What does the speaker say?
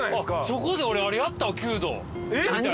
そこで俺あれやったわ弓道。